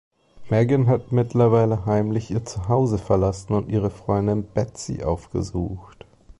Megan hat mittlerweile heimlich ihr Zuhause verlassen und ihre Freundin Betsy aufgesucht.